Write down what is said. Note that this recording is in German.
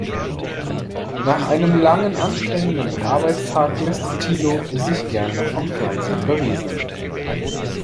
Nach einem langen, anstrengenden Arbeitstag lässt Thilo sich gerne vom Fernsehen berieseln.